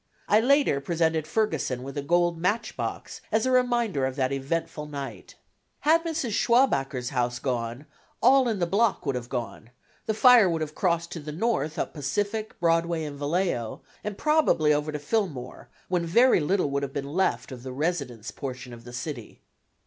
I later presented Ferguson with a gold matchbox as a reminder of that eventful night. Had Mrs. Schwabacher's house gone, all in the block would have gone; the fire would have crossed to the north, up Pacific, Broadway, and Vallejo, and probably over to Fillmore, when very little would have been left of the residence portion of the city.